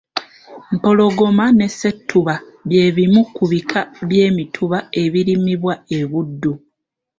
Mpologoma ne ssettuba bye bimu ku bika by'emituba ebirimibwa e Buddu